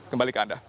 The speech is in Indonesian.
kembali ke anda